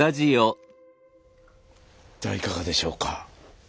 いかがでしょうか？